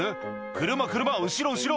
「車車後ろ後ろ！